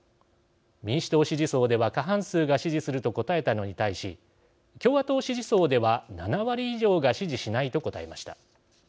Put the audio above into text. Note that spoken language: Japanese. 民主党支持層では過半数が「支持する」と答えたのに対し共和党支持層では７割以上が「支持しない」と答えました。